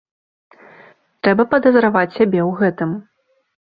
Трэба падазраваць сябе ў гэтым.